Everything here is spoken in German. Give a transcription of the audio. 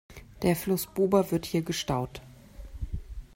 Der Fluss Bober wird hier gestaut.